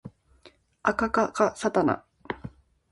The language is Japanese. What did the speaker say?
あかかかさたな